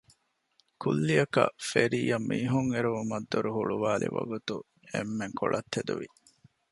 ކުއްލިއަކަށް ފެރީއަށް މީހުން އެރުވުމަށް ދޮރު ހުޅުވައިލި ވަގުތު އެންމެން ކޮޅަށް ތެދުވި